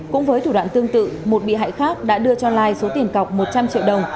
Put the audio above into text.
cũng với thủ đoạn tương tự một bị hại khác đã đưa cho lai số tiền cọc một trăm linh triệu đồng